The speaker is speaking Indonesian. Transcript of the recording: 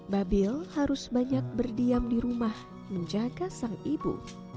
babil harus banyak berdiam di rumah menjaga sang ibu